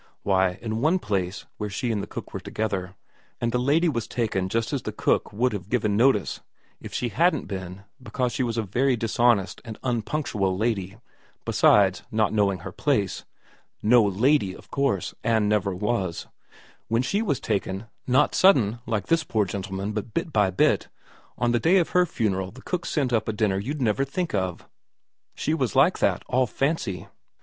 Why, in one place where she and the cook were together, and the lady was taken just as the cook would have given notice if she hadn't been because she was such a very dishonest and un punctual lady, besides not knowing her place no lady, of course, and never was when she was taken, not sudden like this poor gentleman but bit by bit, on the day of her funeral the cook sent up a dinner you'd never think of, she was like that, all fancy.